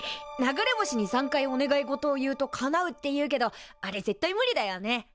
流れ星に３回お願い事を言うとかなうっていうけどあれ絶対無理だよね。